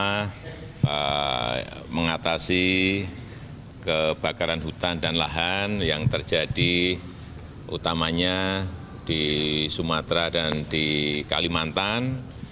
pertama mengatasi kebakaran hutan dan lahan yang terjadi utamanya di sumatera dan di kalimantan